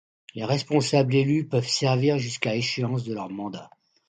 Les responsables élus peuvent servir jusqu'à échéance de leur mandat.